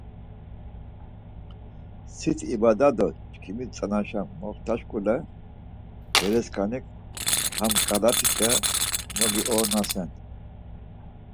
Siti ibada do çkimi tzanaşa moxta şkule bere skanik ham ǩalatite mogionasen.